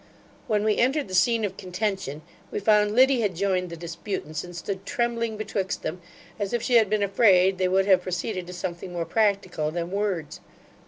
When we entered the scene of contention, we found Liddy had joined the disputants, and stood trembling betwixt them, as if she had been afraid they would have proceeded to something more practical than words.